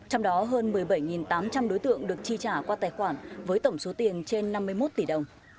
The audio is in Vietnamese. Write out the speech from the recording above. trong đó hơn một mươi bảy tám trăm linh đối tượng được chi trả qua tài khoản với tổng số tiền trên năm mươi một tỷ đồng